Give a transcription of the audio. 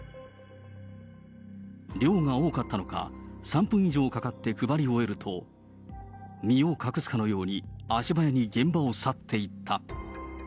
量が多かったのか、３分以上かかって配り終えると、身を隠すかのように足早に現場を去っていった。